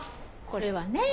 これはね